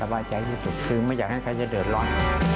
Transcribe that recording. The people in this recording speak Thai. ระบาดใจไม่สุดคือไม่อยากให้ใครจะเดินรอย